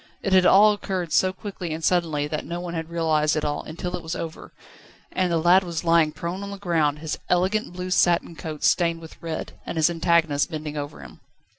It had all occurred so quickly and suddenly that no one had realised it all, until it was over, and the lad was lying prone on the ground, his elegant blue satin coat stained with red, and his antagonist bending over him.